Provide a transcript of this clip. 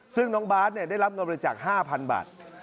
ซึ่งน้องบาทได้รับเงินบริจาค๕๐๐๐บาท